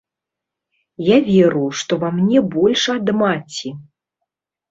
Я веру, што ва мне больш ад маці.